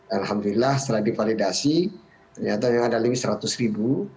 alhamdulillah setelah divalidasi ternyata yang ada lebih seratus ribu